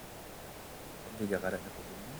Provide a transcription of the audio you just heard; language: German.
Haben wir gerade eine Verbindung?